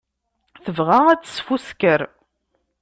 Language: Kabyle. Tebɣa ad tesfusker.